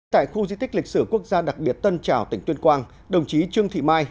tại khu di tích lịch sử quốc gia đặc biệt tân trào tỉnh tuyên quang đồng chí trương thị mai